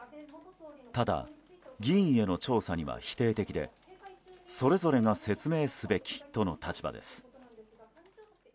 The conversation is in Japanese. ただ議員への調査には否定的でそれぞれ説明すべきとの立場です。